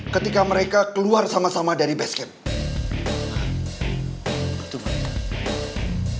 ketika mereka keluar sama sama dari base camp